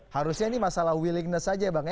harusnya ini masalah willingness aja bang